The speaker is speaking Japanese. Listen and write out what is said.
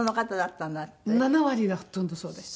７割がほとんどそうでした。